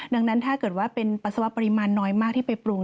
ดังนั้นถ้าเกิดว่าเป็นปัสสาวะปริมาณน้อยมากที่ไปปรุง